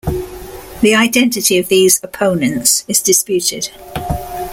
The identity of these "opponents" is disputed.